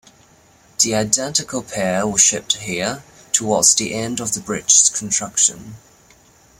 The identical pair were shipped here, towards the end of the bridge's construction.